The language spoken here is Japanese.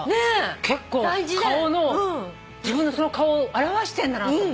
結構自分のその顔を表してるんだなとその人の。